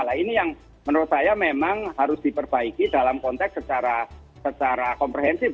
nah ini yang menurut saya memang harus diperbaiki dalam konteks secara komprehensif